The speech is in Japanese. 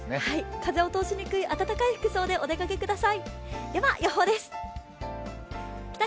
風を通しにくい暖かい服装でお出かけください。